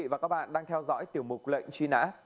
các quý vị và các bạn đang theo dõi tiểu mục lệnh truy nã